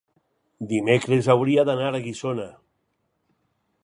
dimecres hauria d'anar a Guissona.